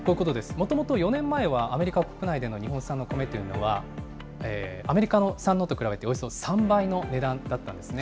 もともと４年前は、アメリカ国内での日本産のコメというのは、アメリカ産のと比べておよそ３倍の値段だったんですね。